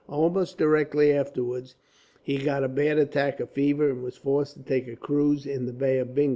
Almost directly afterwards, he got a bad attack of fever, and was forced to take a cruise in the Bay of Bengal.